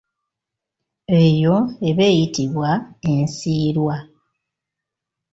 Eyo eba eyitibwa ensiirwa.